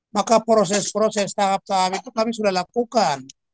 maka proses proses tahap tahap itu kami sudah lakukan